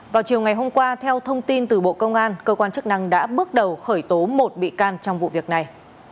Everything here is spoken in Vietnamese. vào chiều ngày hôm qua theo thông tin từ bộ công an cơ quan chức năng đã bước đầu khởi tố một bị can trong vụ việc này